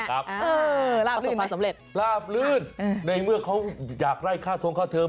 ครับราบลื่นไหมราบลื่นในเมื่อเขาอยากได้ค่าทรงค่าเทอม